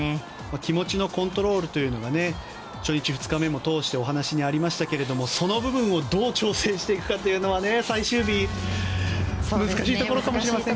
気持ちのコントロールというのが初日、２日目も通してお話にありましたがその部分をどう調整していくかが最終日、難しいところかもしれませんが。